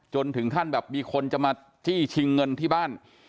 จนถึงขั้นแบบมีคนจะมาจี้ชิงเงินที่บ้าน